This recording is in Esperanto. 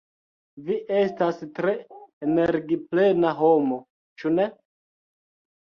Vi estas tre energiplena homo, ĉu ne?